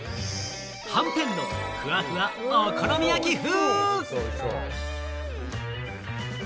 はんぺんのふわふわお好み焼き風。